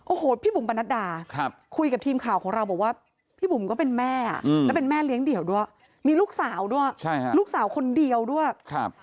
โอ้โหพี่บุ๋มปนัดดาคุยกับทีมข่าวของเราบอกว่าพี่บุ๋มก็เป็นแม่และเป็นแม่เลี้ยงเดี่ยวด้วยมีลูกสาวด้วยใช่ฮะลูกสาวคนเดียวด้วยครับ